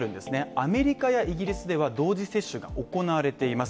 アメリカやイギリスでは同時接種が行われています。